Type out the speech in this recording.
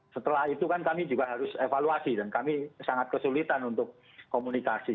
setelah itu kan kami juga harus evaluasi dan kami sangat kesulitan untuk komunikasi